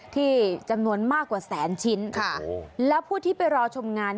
ที่จำนวนมากกว่าแสนชิ้นแล้วผู้ที่ไปรอชมงาน